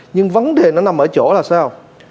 nhưng vấn đề nó nằm ở chỗ là sao